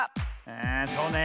あそうね。